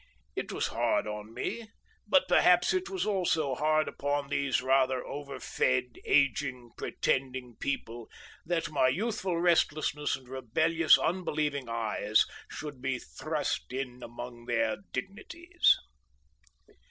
It was hard on me, but perhaps it was also hard upon these rather over fed, ageing, pretending people, that my youthful restlessness and rebellious unbelieving eyes should be thrust in among their dignities.